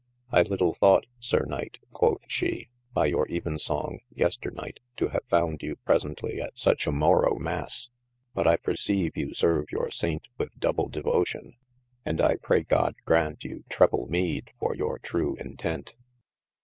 I little thought Syr Knight (quoth shee) by your Evensong yesternight, to have founde you presentlye at suche a Morrow Masse, but I perceyve you serve your Saint with double devotion : and I pray God graunt you treable meede for youre true intent.